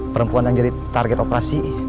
perempuan yang jadi target operasi